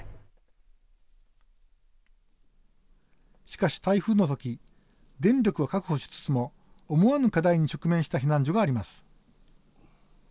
しかし、台風の時電力は確保しつつも思わぬ課題に直面した避難所があります。